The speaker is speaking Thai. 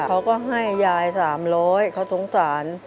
เขาก็ให้ยายสามร้อยเขาสงสาร